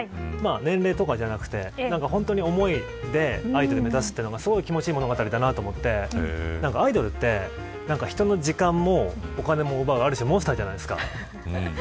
年齢とかではなくて本当に思いでアイドルを目指すのが気持ちいい物語だと思っていていアイドルって人の時間もお金も奪う、いわばモンスターじゃないですか。